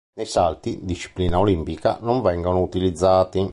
Nei salti, disciplina olimpica, non vengono utilizzati.